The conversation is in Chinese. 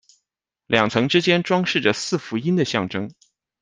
两层之间装饰着四福音的象征。